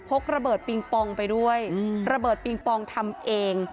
กระเบิงปองไปด้วยระเบิดปิงปองทำเอง